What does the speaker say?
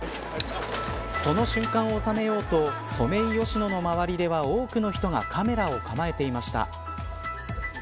その瞬間を収めようとソメイヨシノの周りでは多くの人がカメラを構えていました。